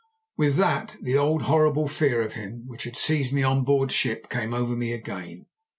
"With that the old horrible fear of him which had seized me on board ship came over me again.